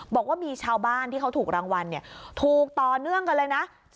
บอกว่ามีชาวบ้านที่เขาถูกรางวัลถูกต่อเนื่องกันเลยนะ